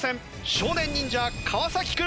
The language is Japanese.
少年忍者川君。